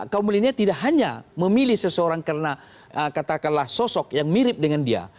kaum milenial tidak hanya memilih seseorang karena katakanlah sosok yang mirip dengan dia